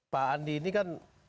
pak andi ini kan